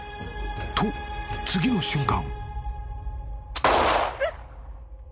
［と次の瞬間］